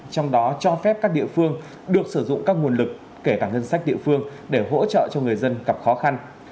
trong đó cho phép các địa phương được sử dụng các nguồn lực kể cả ngân sách địa phương để hỗ trợ cho người dân gặp khó khăn